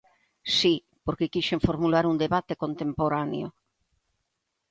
Si, porque quixen formular un debate contemporáneo.